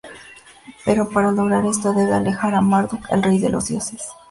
Pero para lograr esto, debe alejar a Marduk, el rey de los dioses.